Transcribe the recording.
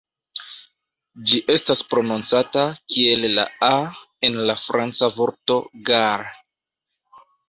Ĝi estas prononcata kiel la "a" en la franca vorto "gare".